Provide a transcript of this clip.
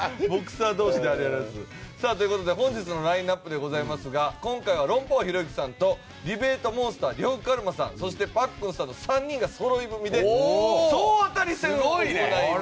さあという事で本日のラインアップでございますが今回は論破王ひろゆきさんとディベートモンスター呂布カルマさんそしてパックンさんの３人がそろい踏みで総当たり戦を行います。